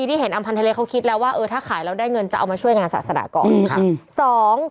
ที่เห็นอำพันธ์ทะเลเขาคิดแล้วว่าเออถ้าขายแล้วได้เงินจะเอามาช่วยงานศาสนาก่อนค่ะ